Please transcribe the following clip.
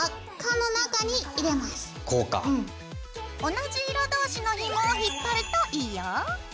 同じ色同士のひもを引っ張るといいよ。